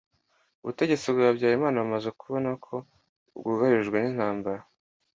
Ubutegetsi bwa Habyarimana bumaze kubona ko bwugarijwe n'intambara